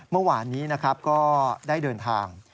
เมื่อวานนี้ก็ได้เดินทาง